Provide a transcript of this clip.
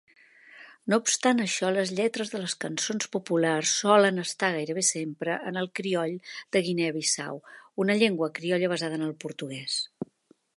No obstant això, les lletres de les cançons populars solen estar gairebé sempre en el crioll de Guinea-Bissau, una llengua criolla basada en el portuguès.